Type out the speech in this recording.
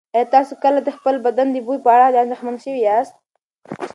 ایا تاسو کله د خپل بدن د بوی په اړه اندېښمن شوي یاست؟